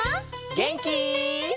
げんき？